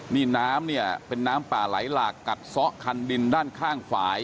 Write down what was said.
นี่น้ำเนี่ยเป็นน้ำป่าไหลหลากกัดซะคันดินด้านข้างฝ่าย